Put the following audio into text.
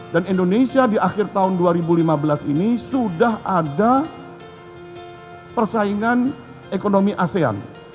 dan indonesia di akhir tahun dua ribu lima belas ini sudah ada persaingan ekonomi asean